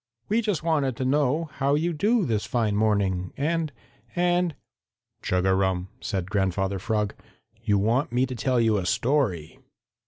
"We just wanted to know how you do this fine morning, and and " "Chug a rum," said Grandfather Frog, "you want me to tell you a story."